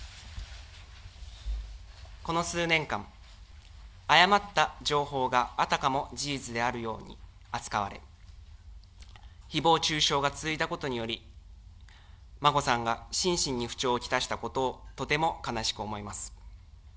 この数年間、誤った情報があたかも事実であるように扱われ、ひぼう中傷が続いたことにより、眞子さんが心身に不調を来したことをとても悲しく思います。